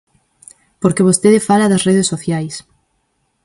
Porque vostede fala das redes sociais.